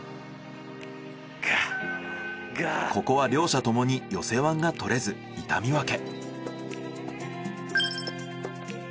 ここは両者ともに寄せワンが取れず痛みわけ。